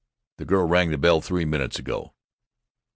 The girl rang the bell three minutes ago."